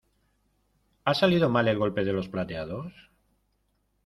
¿ ha salido mal el golpe de los plateados?